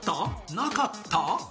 なかった？